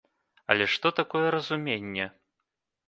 Але што такое разуменне?